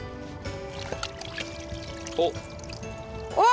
おっ！